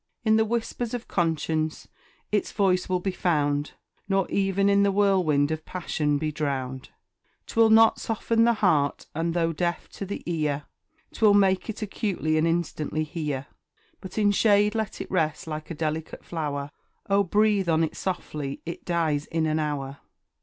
In the whispers of conscience its voice will be found, Nor e'en in the whirlwind of passion be drowned. 'Twill not soften the heart, and though deaf to the ear, 'Twill make it acutely and instantly hear. But in shade let it rest, like a delicate flower Oh, breathe on it softly it dies in an hour.